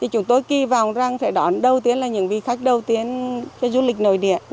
chúng tôi kỳ vọng rằng sẽ đón đầu tiên là những vị khách đầu tiên cho du lịch nội địa